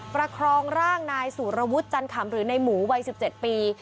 ประครองร่างนายสุรวุฒิจันขำหรือในหมูวัย๑๗ปี